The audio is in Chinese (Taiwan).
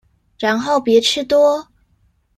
然後別吃多